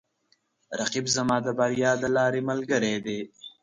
رقیب زما د بریا د لارې ملګری دی